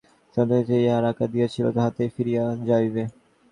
ধ্বংস হইলে এই পৃথিবী যে পদার্থ-সমষ্টি ইহাকে এই আকার দিয়াছিল, তাহাতেই ফিরিয়া যাইবে।